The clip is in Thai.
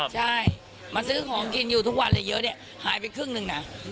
ใช่มาซื้อของกินอยู่ทุกวันเลยเยอะเนี่ยหายไปครึ่งหนึ่งนะ